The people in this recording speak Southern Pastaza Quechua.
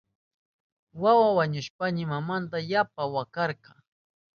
Wawan wañushpanmi mamanta yapa wakarka.